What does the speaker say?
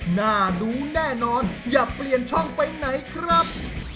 หน้าดูแน่นอนอย่าเปลี่ยนช่องไปไหนครับ